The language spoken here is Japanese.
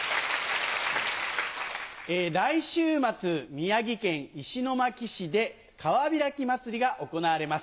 来週末宮城県石巻市で川開き祭りが行われます。